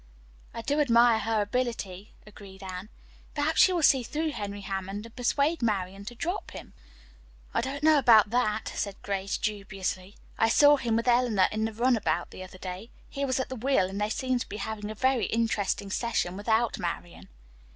"I do admire her ability," agreed Anne. "Perhaps she will see through Henry Hammond and persuade Marian to drop him." "I don't know about that," said Grace dubiously. "I saw him with Eleanor in the run about the other day. He was at the wheel, and they seemed to be having a very interesting session without Marian."